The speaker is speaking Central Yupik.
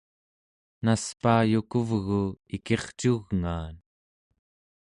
naspaayukuvgu ikircugngaan